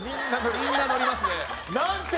みんな乗りますね。なんて